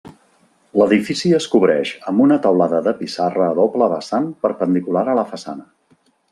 L'edifici es cobreix amb una teulada de pissarra a doble vessant perpendicular a la façana.